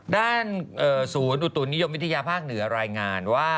ด้านศูนย์อุตุนิยมวิทยาภาคเหนือรายงานว่า